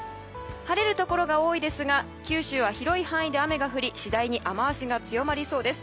晴れるところが多いですが九州は広い範囲で雨が降り次第に雨脚が強まりそうです。